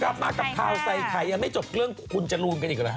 กลับมากับพาวไซไข่ไม่จบเรื่องคุณจะรูมกันอีกหรือฮะ